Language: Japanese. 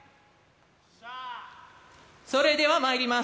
それではまいります。